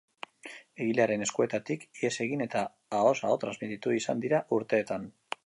Egilearen eskuetatik ihes egin eta ahoz aho transmititu izan dira urteetan.